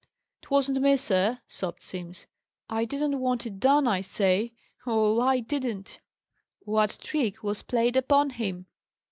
"'Twasn't me, sir," sobbed Simms. "I didn't want it done, I say, O o o o o o h! I didn't!" "What trick was played upon him?"